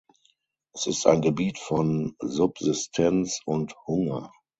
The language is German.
Es ist ein Gebiet von Subsistenz und Hunger.